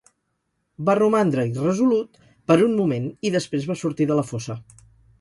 Va romandre irresolut per un moment i després va sortir de la fossa.